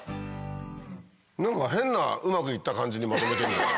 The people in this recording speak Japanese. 何か変なうまく行った感じにまとめてるじゃん。